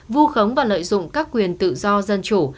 vu khống và lợi dụng các quyền tự do dân chủ